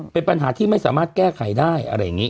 เป็นปัญหาที่ไม่สามารถแก้ไขได้อะไรอย่างนี้